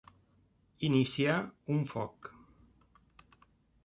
Iniciar un foc.